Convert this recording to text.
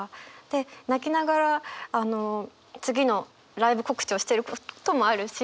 で泣きながら次のライブ告知をしてることもあるし。